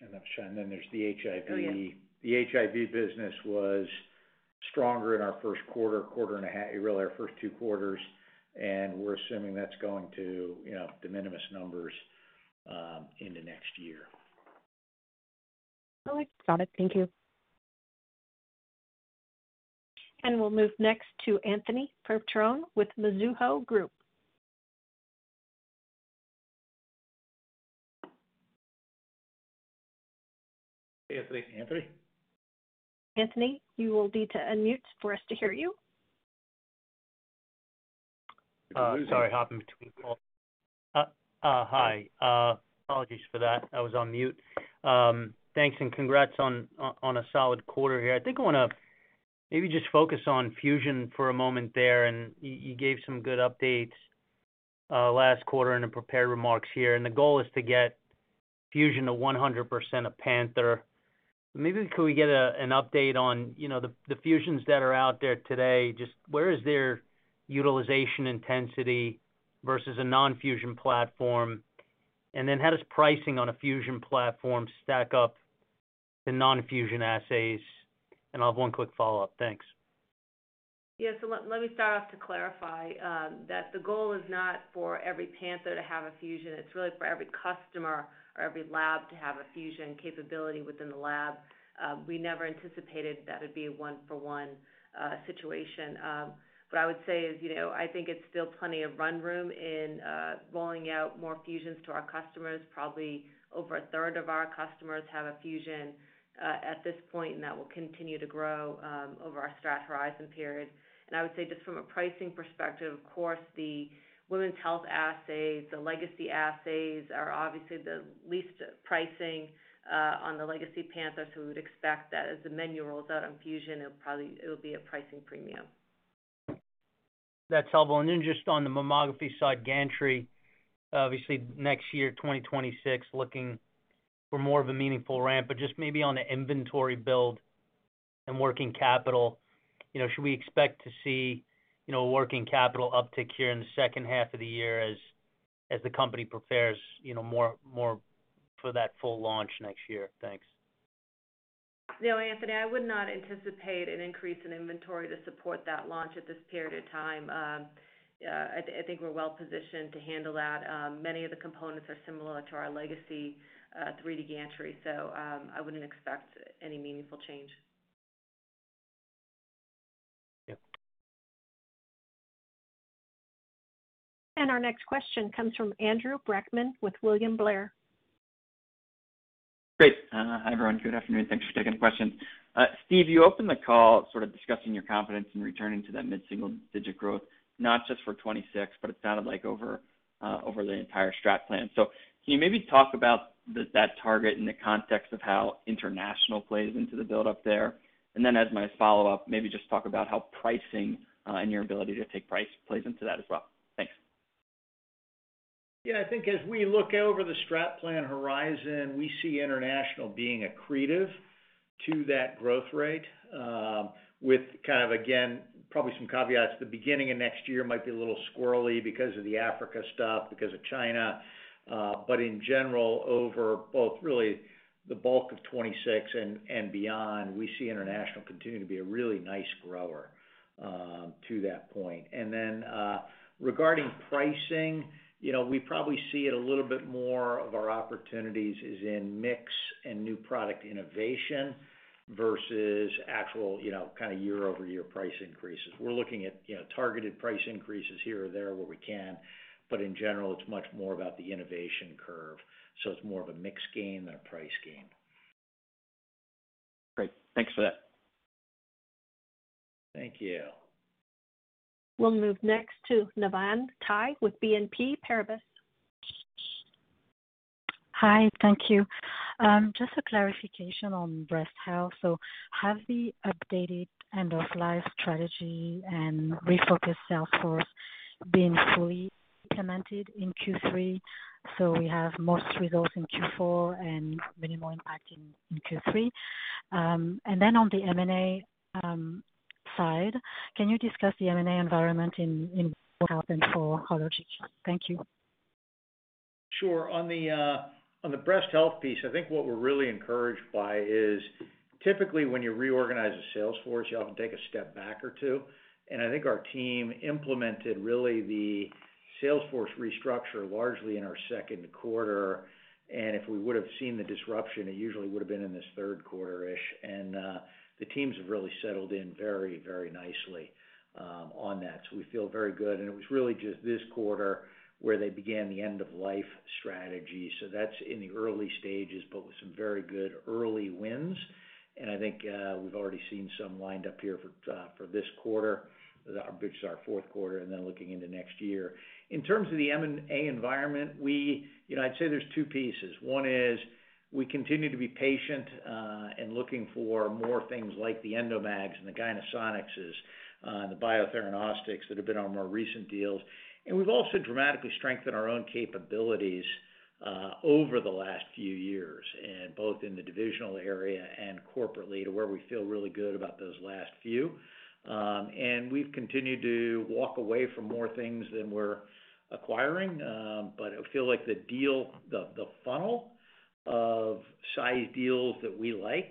There is the HIV. The HIV business was stronger in our first quarter. Quarter and a half really. Our first two quarters. We are assuming that is going to, you know, de minimis numbers into next year. Got it, thank you. We will move next to Anthony Petrone with Mizuho Group. Anthony, Anthony. Anthony, you will need to unmute for us to hear you. Sorry, hopping between. Hi, apologies for that. I was on mute. Thanks. Congrats on a solid quarter here. I think I want to maybe just focus on Fusion for a moment there. You gave some good updates last quarter in the prepared remarks here. The goal is to get Fusion to 100% of Panther. Maybe could we get an update on the Fusions that are out there today? Just where is their utilization intensity versus a non-Fusion platform? How does pricing on a Fusion platform stack up to the non-Fusion assays? I have one quick follow-up. Thanks. Yeah. Let me start off to clarify that the goal is not for every Panther to have a Fusion. It's really for every customer or every lab to have a Fusion capability within the lab. We never anticipated that it would be a one-for-one situation. What I would say is, you know, I think there's still plenty of run room in rolling out more Fusions to our customers. Probably over 1/3 of our customers have a Fusion at this point and that will continue to grow over our strat horizon period. I would say just from a pricing perspective, of course, the women's health assays, the legacy assays, are obviously the least pricing on the legacy Panther. We would expect that as the menu rolls out on Fusion it will be a pricing premium that's helpful. Just on the mammography side gantry obviously next year 2026 looking for more of a meaningful ramp. Maybe on the inventory build and working capital, should we expect to see a working capital uptick here in the second half of the year as the company prepares more for that full launch next year? Anthony, I would not anticipate an increase in inventory to support that launch at this period of time. I think we're well positioned to handle that. Many of the components are similar to our legacy 3D gantry. I would not expect any meaningful change. Our next question comes from Andrew Brackmann with William Blair. Great. Hi everyone. Good afternoon. Thanks for taking the question. Steve, you opened the call sort of discussing your confidence in returning to that mid single digit growth. Not just for 2026, but it sounded like over the entire Strat plan. Can you maybe talk about that target in the context of how international plays into the buildup there? As my follow up, maybe just talk about how pricing and your ability to take price plays into that as well. Thanks. Yeah. I think as we look over the strat plan horizon, we see international being accretive to that growth rate with kind of, again, probably some caveats. The beginning of next year might be a little squirrely because of the Africa stuff, because of China. But in general, over both, really the bulk of 2026 and beyond, we see international continuing to be a really nice grower to that point. Regarding pricing, you know, we probably see it a little bit more of our opportunities is in mix and new product innovation versus actual, you know, kind of year-over-year price increases. We're looking at year targeted price increases here or there where we can. In general it's much more about the innovation curve. It is more of a mix gain than a price gain. Great, thanks for that. Thank you. We'll move next to Navann Ty with BNP Paribas. Hi, thank you. Just a clarification on breast health. Has the updated end of life strategy and refocused salesforce fully implemented in Q3? Will we have most results in Q4 and minimal impact in Q3? On the M&A side, can you discuss the M&A environment and what happened for Hologic? Thank you. Sure. On the breast health piece, I think what we're really encouraged by is typically when you reorganize a sales force, you often take a step back or two. I think our team implemented really the sales force restructure largely in our second quarter. If we would have seen the disruption, it usually would have been in this third quarter-ish. The teams have really settled in very, very nicely on that. We feel very good. It was really just this quarter where they began the end of life strategy. That is in the early stages, but with some very good early wins. I think we've already seen some lined up here for this quarter, which is our fourth quarter. Looking into next year in terms of the M&A environment, you know, I'd say there's two pieces. One is we continue to be patient and looking for more things like the Endomags and the Gynesonics, the Biotheranostics that have been on more recent deals. We've also dramatically strengthened our own capabilities over the last few years, both in the divisional area and corporately to where we feel really good about those last few and we've continued to walk away from more things than we're acquiring. I feel like the deal, the funnel of size deals that we like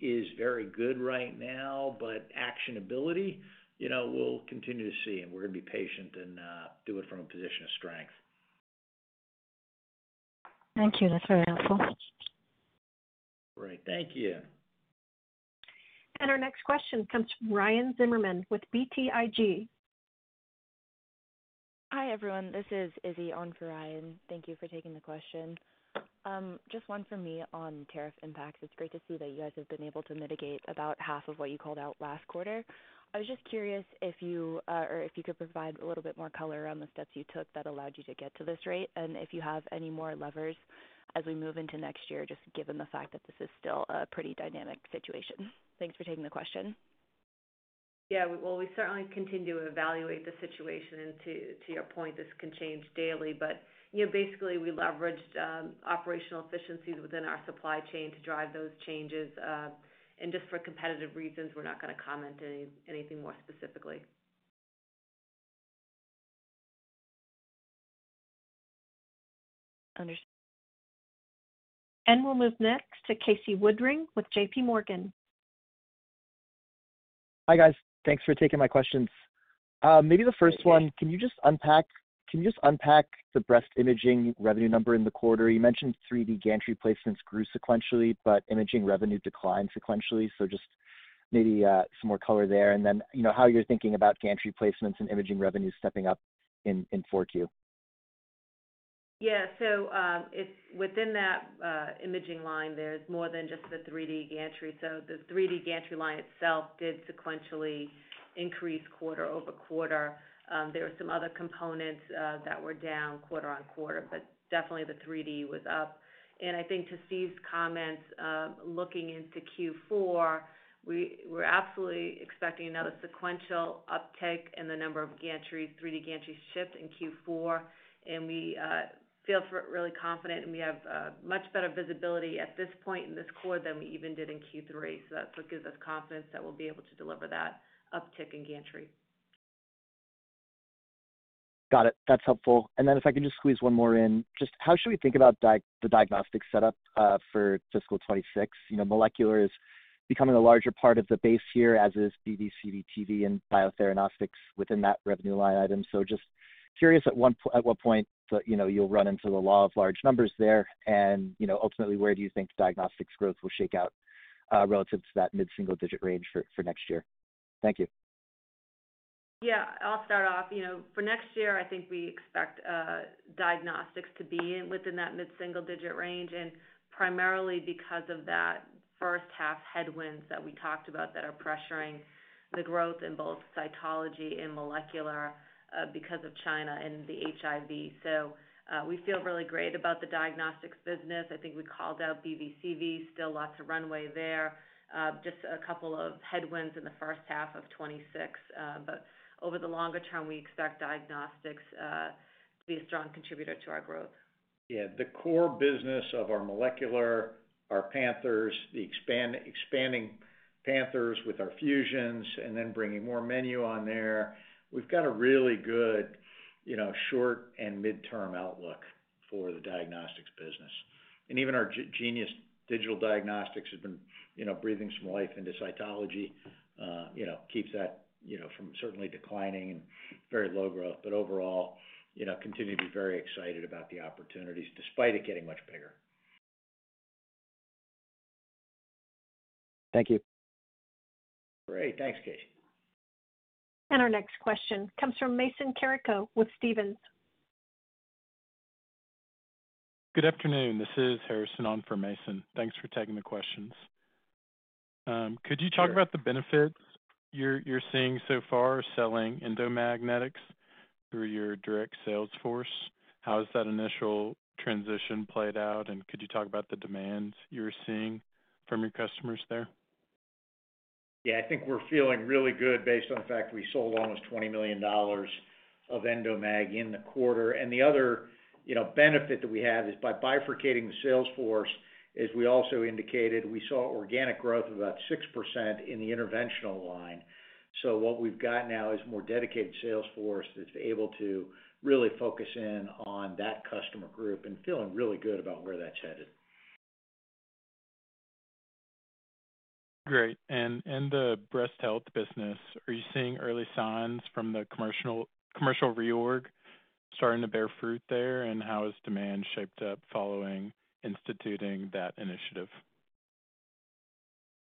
is very good right now. Actionability, you know, we'll continue to see and we're going to be patient and do it from a position of strength. Thank you. That's very helpful. Great. Thank you. Our next question comes from Ryan Zimmerman with BTIG. Hi everyone, this is Izzy on for Ryan. Thank you for taking the question. Just one for me on tariff impacts. It's great to see that you guys have been able to mitigate about 1/2 of what you called out last quarter. I was just curious if you could provide a little bit more color on the steps you took that allowed you to get to this rate and if you have any more levers as we move into next year just given the fact that this is still a pretty dynamic situation. Thanks for taking the question. Yeah, we certainly continue to evaluate the situation and to your point, this can change daily. Basically, we leveraged operational efficiencies within our supply chain to drive those changes. Just for competitive reasons, we're not going to comment anything more specifically. Understood. We will move next to Casey Woodring with JPMorgan. Hi guys. Thanks for taking my questions. Maybe the first one. Can you just unpack? Can you just unpack the breast imaging revenue number in the quarter? You mentioned 3D gantry placements grew sequentially, but imaging revenue declined sequentially. Just maybe some more color there. You know how you're thinking about gantry placements and imaging revenue stepping up in 4Q. Yeah. So within that imaging line there's more than just the 3D gantry. The 3D gantry line itself did sequentially increase quarter-over-quarter. There are some other components that were down quarter on quarter, but definitely the 3D was up. I think to Steve's comments, looking into Q4, we're absolutely expecting another sequential uptick in the number of 3D gantry shipped in Q4. We feel really confident and we have much better visibility at this point in this quarter than we even did in Q3. That's what gives us confidence that we'll be able to deliver that uptick in gantry. Got it. That's helpful. If I can just squeeze one more in, just how should we think about the diagnostic setup for fiscal 2026? You know, molecular is becoming a larger part of the base here, as is BV, CV/TV and Biotheranostics within that revenue line item. Just curious at what point you'll run into the law of large numbers there. Ultimately, where do you think diagnostics growth will shake out relative to that mid single-digit range for next year? Thank you. Yeah, I'll start off for next year. I think we expect diagnostics to be within that mid single-digit range and primarily because of that first half headwinds that we talked about that are pressuring the growth in both cytology and molecular because of China and the HIV. So we feel really great about the diagnostics business. I think we called out BV, CV, still lots of runway there, just a couple of headwinds in the first half of 2026. Over the longer term we expect diagnostics to be a strong contributor to our growth. Yeah, the core business of our molecular, our Panthers, the expanding Panthers with our Fusions and then bringing more menu on there. We've got a really good, you know, short and midterm outlook for the diagnostics business. And even our Genius Digital Diagnostics has been, you know, breathing some life into cytology, you know, keeps that, you know, from certainly declining and very low growth. But overall, you know, continue to be very excited about the opportunities despite it getting much bigger. Thank you. Great, thanks, Casey. Our next question comes from Mason Carrico with Stephens. Good afternoon, this is Harrison on for Mason. Thanks for taking the questions. Could you talk about the benefits you're seeing so far selling Endomag through your direct sales force? How has that initial transition played out? Could you talk about the demand you're seeing from your customers there? Yeah, I think we're feeling really good based on the fact we sold almost $20 million of Endomag in the quarter. The other benefit that we have is by bifurcating the sales force, as we also indicated, we saw organic growth of about 6% in the interventional line. What we've got now is more dedicated sales force that's able to really focus in on that customer group and feeling really good about where that's headed. Great. In the breast health business, are you seeing early signs from the commercial reorg starting to bear fruit there? How has demand shaped up following instituting that initiative?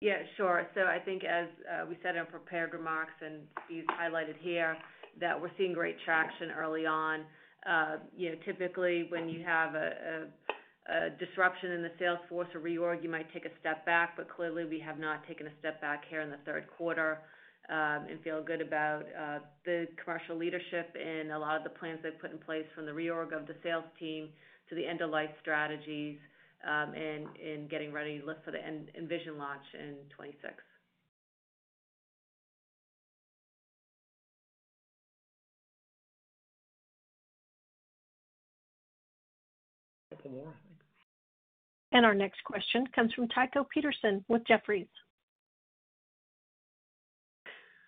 Yeah, sure. I think, as we said in our prepared remarks and highlighted here, that we're seeing great traction early on. Typically when you have a disruption in the sales force or reorg, you might take a step back, but clearly we have not taken a step back here in the third quarter and feel good about the commercial leadership and a lot of the plans they put in place, from the reorg of the sales team to the end-of-life strategies and getting ready for the Envision launch in 2026. Couple more. Our next question comes from Tycho Peterson with Jefferies.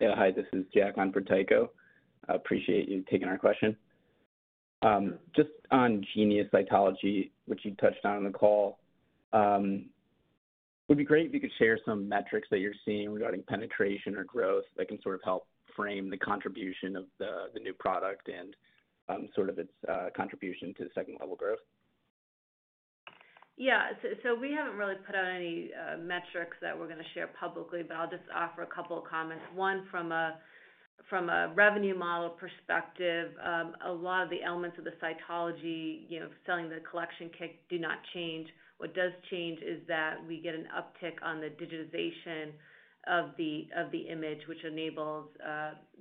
Hi, this is Jack on for Tycho. I appreciate you taking our question just on Genius cytology, which you touched on in the call. Would be great if you could share some metrics that you're seeing regarding penetration or growth that can sort of help frame the contribution of the new product and sort of its contribution to second level growth. Yeah, so we haven't really put out any metrics that we're going to share publicly, but I'll just offer a couple of comments. One, from a revenue model perspective, a lot of the elements of the cytology selling the collection kit do not change. What does change is that we get an uptick on the digitization of the image, which enables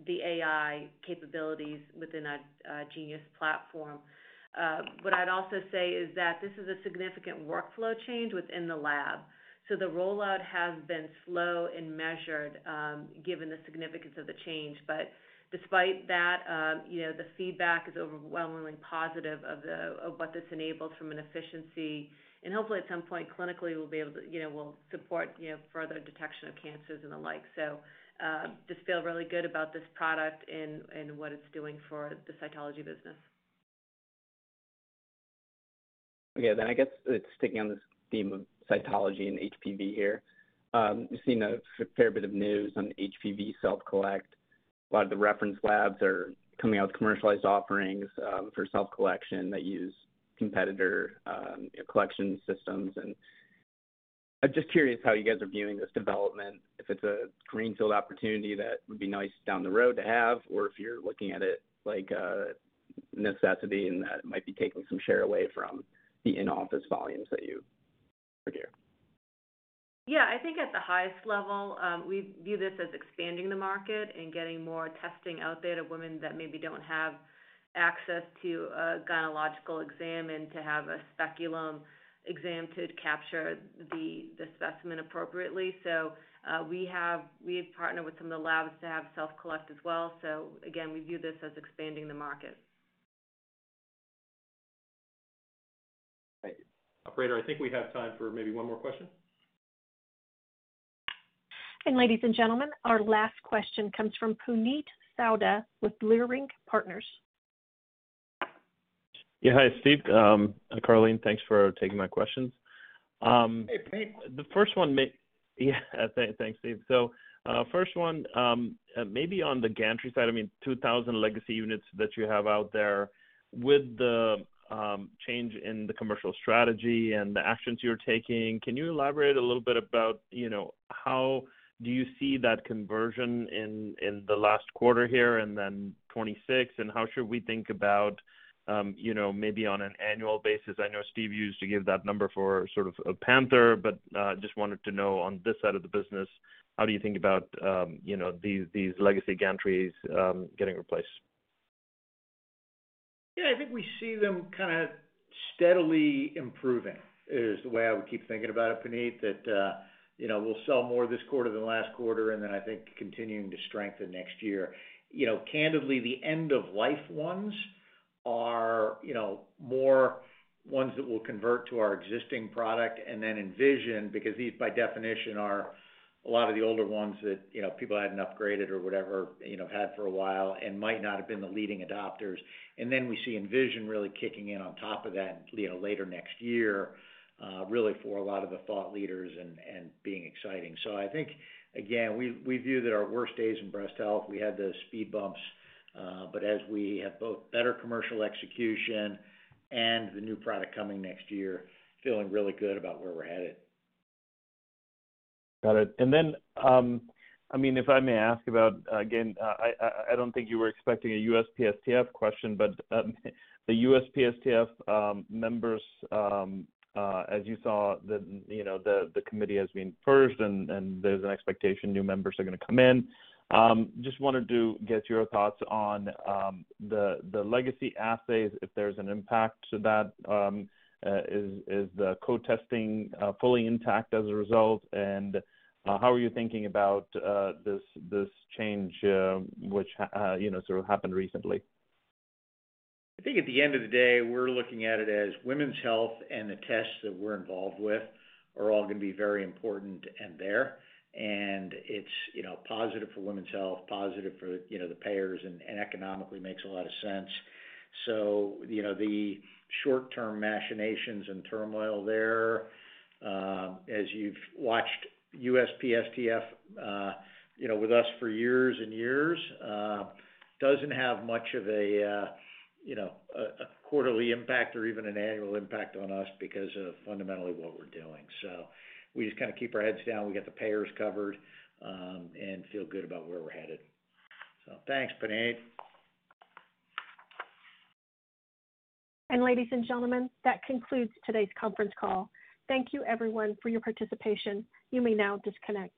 the AI capabilities within a Genius platform. What I'd also say is that this is a significant workflow change within the lab. The rollout has been slow and measured given the significance of the change. Despite that, the feedback is overwhelmingly positive of what this enables from an efficiency and hopefully at some point clinically we'll be able to, you know, we'll support, you know, further detection of cancers and the like. Just feel really good about this product and what it's doing for the cytology business. Okay, then I guess it's sticking on this theme of cytology and HPV here. We've seen a fair bit of news on HPV self-collect. A lot of the reference labs are coming out with commercialized offerings for self collection that use competitor collection systems. I'm just curious how you guys are viewing this development. If it's a greenfield opportunity that would be nice down the road to have, or if you're looking at it like necessity and that might be taking some share away from the in office volumes that you. Yeah, I think at the highest level we view this as expanding the market and getting more testing out there to women that maybe do not have access to a gynecological exam and to have a speculum exam to capture the specimen appropriately. We partner with some of the labs to have self-collect as well. Again, we view this as expanding the market. Operator, I think we have time for maybe one more question. Ladies and gentlemen, our last question comes from Puneet Souda with Leerink Partners. Yeah, hi Steve, Karleen, thanks for taking my questions. The first one. Thanks, Steve. First one, maybe on the gantry side, I mean, 2,000 legacy units that you have out there with the change in the commercial strategy and the actions you're taking. Can you elaborate a little bit about how do you see that conversion in the last quarter here and then 2026 and how should we think about maybe on an annual basis? I know Steve used to give that number for a Panther, but just wanted to know on this side of the business, how do you think about these legacy gantries getting replaced? Yeah, I think we see them kind of steadily improving is the way I would keep thinking about it, Puneet, that, you know, we'll sell more this quarter than last quarter and then I think continuing to strengthen next year, you know, candidly, the end of life ones are, you know, more ones that will convert to our existing product. And then Envision, because these by definition are a lot of the older ones that people hadn't upgraded or whatever had for a while and might not have been the leading adopters. Then we see Envision really kicking in on top of that later next year really for a lot of the thought leaders and being exciting. I think again we view that our worst days in breast health we had the speed bumps, but as we have both better commercial execution and the new product coming next year, feeling really good about where we're headed. Got it. I mean, if I may ask about again, I do not think you were expecting a USPSTF question, but the USPSTF members, as you saw, the committee has been purged and there is an expectation new members are gonna come in. Just wanted to get your thoughts on the legacy assays if there is an impact to that. Is the co-testing fully intact as a result and how are you thinking about this change which happened recently? I think at the end of the day we're looking at it as women's health and the tests that we're involved with are all going to be very important and there and it's positive for women's health, positive for the payers and economically makes a lot of sense. You know, the short term machinations and turmoil there, as you've watched USPSTF, you know, with us for years and years, doesn't have much of a, you know, a quarterly impact or even an annual impact on us because of fundamentally what we're doing. We just kind of keep our heads down, we got the payers covered and feel good about where we're headed. Thanks, Puneet. Ladies and gentlemen, that concludes today's conference call. Thank you, everyone, for your participation. You may now disconnect.